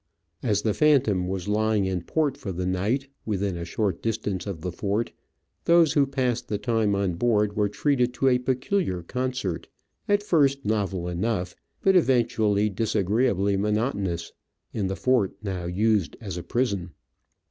As the Phantom was lying in port for the night, within a short distance of the fort, those who passed the time on board were treated to a peculiar concert, at first novel enough, but eventually disagreeably monotonous, in the fort, now used as a prison.